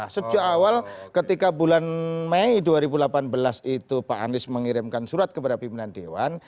sejak awal ketika bulan mei dua ribu delapan belas itu pak anies mengirimkan surat kepada pimpinan dewan